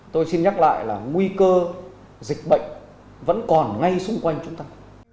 tôi xin nhắc lại là nguy cơ dịch bệnh vẫn còn ngay xung quanh chúng ta